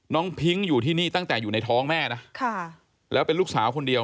พิ้งอยู่ที่นี่ตั้งแต่อยู่ในท้องแม่นะแล้วเป็นลูกสาวคนเดียว